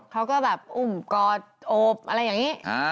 เขาก็แบบอุ้มกอดโอบอะไรอย่างนี้